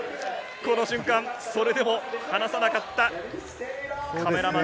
それでも離さなかったカメラマン。